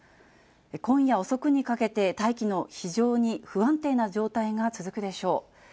今夜遅くにかけて、大気の非常に不安定な状態が続くでしょう。